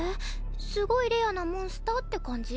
すごいレアなモンスターって感じ？